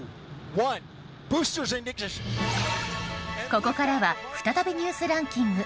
ここからは再びニュースランキング。